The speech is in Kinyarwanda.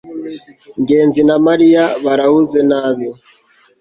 ngenzi na mariya barahuze nabi